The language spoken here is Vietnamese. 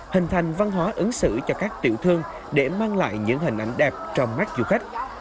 hình thành văn hóa ứng xử cho các tiểu thương để mang lại những hình ảnh đẹp trong mắt du khách